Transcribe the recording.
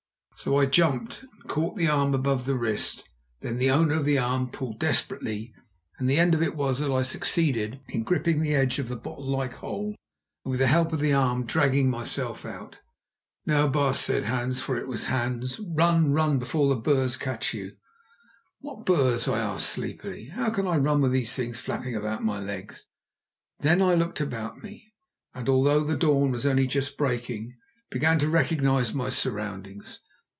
So I jumped, and caught the arm above the wrist. Then the owner of the arm pulled desperately, and the end of it was that I succeeded in gripping the edge of the bottle like hole, and, with the help of the arm, in dragging myself out. "Now, baas," said Hans, for it was Hans, "run, run before the Boers catch you." "What Boers?" I asked, sleepily; "and how can I run with these things flapping about my legs?" Then I looked about me, and, although the dawn was only just breaking, began to recognise my surroundings.